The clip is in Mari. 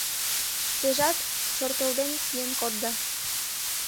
Тежат шортылден киен кодда